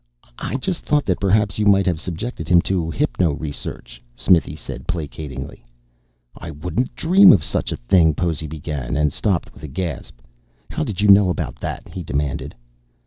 "I just thought that perhaps you might have subjected him to hypno research," Smithy said, placatingly. "I wouldn't dream of such a thing " Possy began and stopped with a gasp. "How did you know about that?" he demanded.